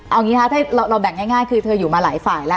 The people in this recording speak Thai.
เอางี้ค่ะถ้าเราเราแบ่งง่ายง่ายคือเธออยู่มาหลายฝ่ายแล้ว